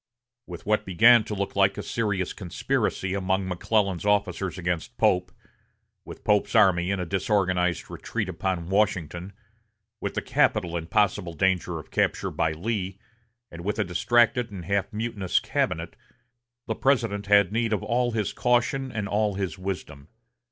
With what began to look like a serious conspiracy among McClellan's officers against Pope, with Pope's army in a disorganized retreat upon Washington, with the capital in possible danger of capture by Lee, and with a distracted and half mutinous cabinet, the President had need of all his caution and all his wisdom.